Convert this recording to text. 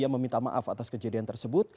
yang meminta maaf atas kejadian tersebut